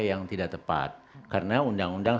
yang tidak tepat karena undang undang